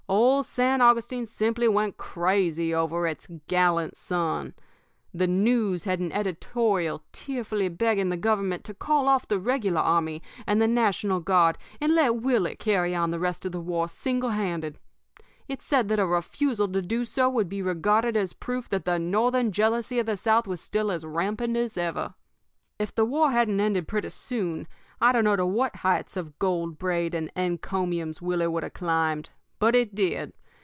Old San Augustine simply went crazy over its 'gallant son.' The News had an editorial tearfully begging the Government to call off the regular army and the national guard, and let Willie carry on the rest of the war single handed. It said that a refusal to do so would be regarded as a proof that the Northern jealousy of the South was still as rampant as ever. "If the war hadn't ended pretty soon, I don't know to what heights of gold braid and encomiums Willie would have climbed; but it did.